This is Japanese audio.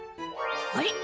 あれ？